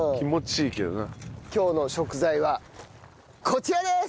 今日の食材はこちらです！